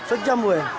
sejam bu ya